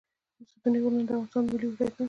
ستوني غرونه د افغانستان د ملي هویت نښه ده.